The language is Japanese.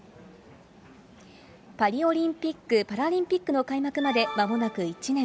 パリオリンピック・パラリンピックの開幕までまもなく１年。